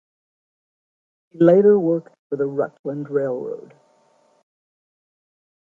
He later worked for the Rutland Railroad.